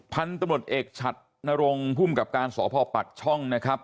พันธุ์ตำรวจเอกฉัดนรงภูมิกับการสพปักช่องนะครับ